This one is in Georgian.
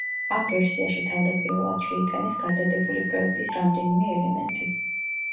ამ ვერსიაში თავდაპირველად შეიტანეს გადადებული პროექტის რამდენიმე ელემენტი.